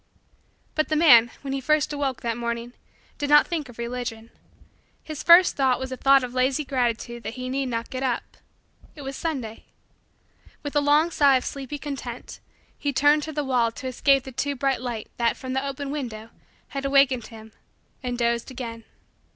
But the man, when he first awoke that morning, did not think of Religion. His first thought was a thought of lazy gratitude that he need not get up. It was Sunday. With a long sigh of sleepy content, he turned toward the wall to escape the too bright light that, from the open window, had awakened him and dozed again.